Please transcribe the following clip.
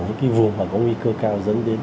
những cái vùng mà có nguy cơ cao dẫn đến